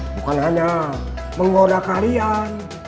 bukan hanya menggoda kalian